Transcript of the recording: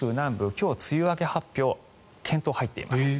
今日、梅雨明け発表の検討に入っています。